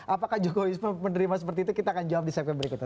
apakah jokowi menerima seperti itu kita akan jawab di segmen berikutnya